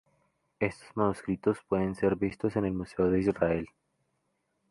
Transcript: Estos manuscritos pueden ser vistos en el Museo de Israel.